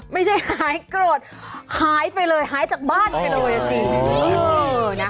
ไม่ใช่หายโกรธหายไปเลยหายจากบ้านไปเลยจริง